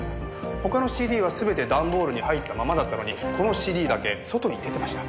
他のＣＤは全て段ボールに入ったままだったのにこのＣＤだけ外に出てました。